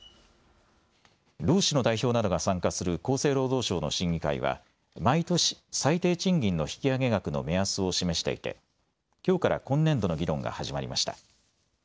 労使の代表などが参加する厚生労働省の審議会は毎年、最低賃金の引き上げ額の目安を示していて、きょうから今年度の議論が始まりました。